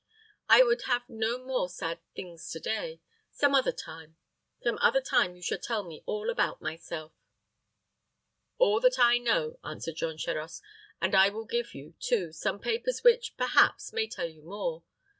I would have no more sad things to day. Some other time some other time you shall tell me all about myself." "All that I know," answered Jean Charost; "and I will give you, too, some papers which, perhaps, may tell you more.